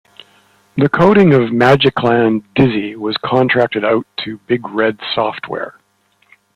The coding of "Magicland Dizzy" was contracted out to Big Red Software.